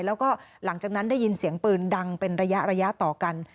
แล้วก็หลังจากนั้นได้ยินเสียงปืนดังเป็นระยะต่อกัน